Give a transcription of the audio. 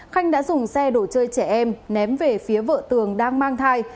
khanh đã dùng xe đồ chơi trẻ em ném về phía vợ tường đang mang thai